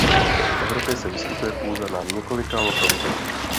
V Evropě se vyskytuje pouze na několika lokalitách.